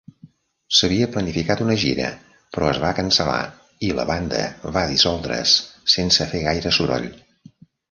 S'havia planificat una gira, però es va cancel·lar i la banda va dissoldre's sense fer gaire soroll.